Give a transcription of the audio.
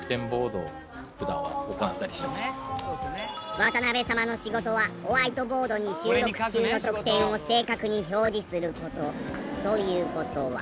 渡邊様の仕事はホワイトボードに収録中の得点を正確に表示する事。という事は。